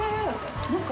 何か。